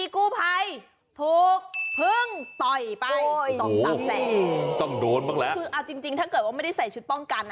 คืออ่าจริงถ้าเกิดว่าไม่ได้ใส่ชุดป้องกัน